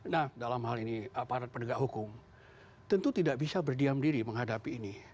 nah dalam hal ini aparat penegak hukum tentu tidak bisa berdiam diri menghadapi ini